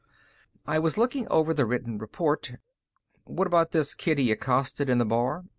I was looking over the written report. "What about this kid he accosted in the bar?